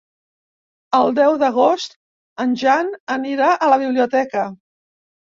El deu d'agost en Jan anirà a la biblioteca.